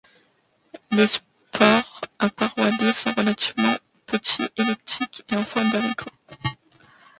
Les spores, à parois lisses, sont relativement petits, elliptiques et en forme de haricot.